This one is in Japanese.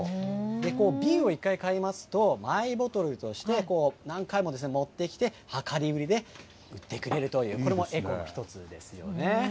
瓶を一回買いますと、マイボトルとして、何回も持ってきて、量り売りで売ってくれるという、これもエコの一つですよね。